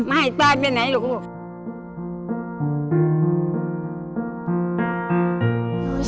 มาให้ตายไปไหนลูก